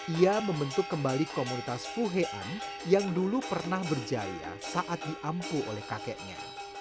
ia membentuk kembali komunitas fuhean yang dulu pernah berjaya saat diampu oleh kakeknya